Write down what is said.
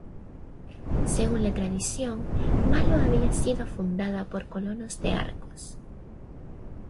Según la tradición, Malo había sido fundada por colonos de Argos.